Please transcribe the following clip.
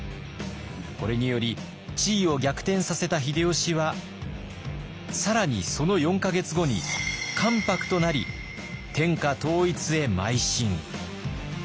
これにより地位を逆転させた秀吉は更にその４か月後に関白となり天下統一へまい進。